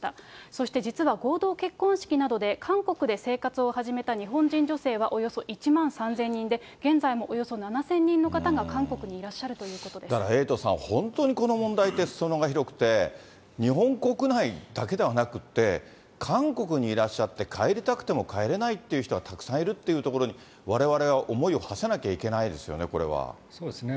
そして実は合同結婚式などで韓国で生活を始めた日本人女性はおよそ１万３０００人で、現在もおよそ７０００人の方が韓国にいらっだからエイトさん、本当にこの問題ってすそ野が広くて、日本国内だけではなくて、韓国にいらっしゃって、帰りたくても帰れないという人がたくさんいるっていうところに、われわれは思いをはせなきゃいけないですよね、そうですね。